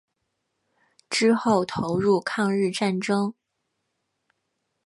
之后投入抗日战争。